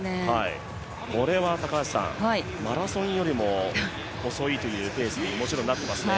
これはマラソンよりも遅いというふうにもちろんなってますね。